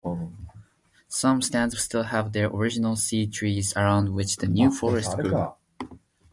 Some stands still have their original seed trees around which the new forest grew.